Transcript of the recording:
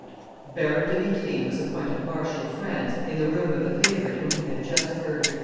Baron de Vitry was appointed Marshal of France in the room of the favorite whom he had just murdered.